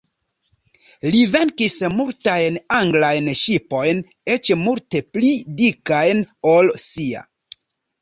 Li venkis multajn anglajn ŝipojn, eĉ multe pli dikajn ol sia.